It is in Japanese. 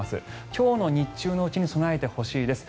今日の日中のうちに備えてほしいです。